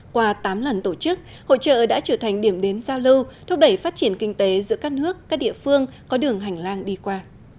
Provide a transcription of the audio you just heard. qua tám lần tổ chức hội trợ đã trở thành điểm đến giao lưu thúc đẩy phát triển kinh tế giữa các nước các địa phương có đường hành lang đi qua